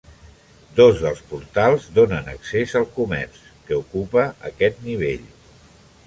Dos dels portals donen accés al comerç que ocupa aquest nivell.